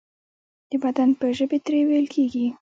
د بدن په ژبې ترې ویل کیږي.